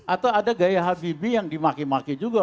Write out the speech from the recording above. atau ada gaya habibie yang dimaki maki juga